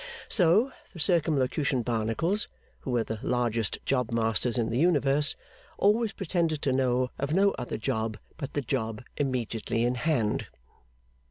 So the Circumlocution Barnacles, who were the largest job masters in the universe, always pretended to know of no other job but the job immediately in hand.